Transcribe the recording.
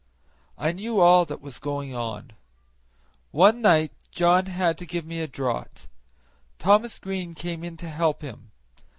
I knew all that was going on. One night John had to give me a draught; Thomas Green came in to help him.